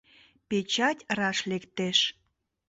Печать раш лектеш.